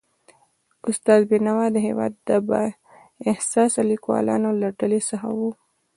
استاد بینوا د هيواد د با احساسه لیکوالانو له ډلې څخه و.